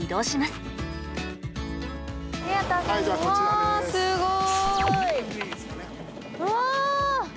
すごい！